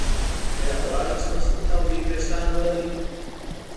ايا غواړئ چې مضبوط او لوى ويښتان ولرى؟